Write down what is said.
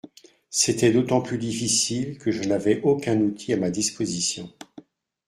C’était d’autant plus difficile que je n’avais aucun outil à ma disposition.